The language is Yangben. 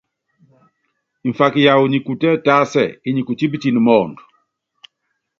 Mfaka yawu nyi kutɛ́ tásɛ, inyi kutípitɛn mɔɔnd.